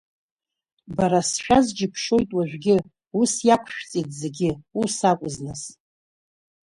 Бара, сшәаз џьышәшьоит уажәгьы, ус иақәышәҵеит зегьы, ус акәыз нас!